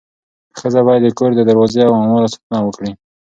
ښځه باید د کور د دروازې او اموالو ساتنه وکړي.